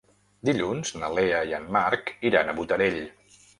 Dilluns na Lea i en Marc iran a Botarell.